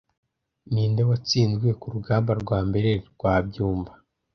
Ninde watsinzwe kurugamba rwa mbere rwa byumba